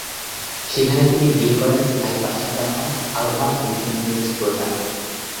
সেখানে তিনি বিয়ে করেন, স্থায়ী বাসিন্দা হন, আরো হন একজন ইংরেজ প্রজা।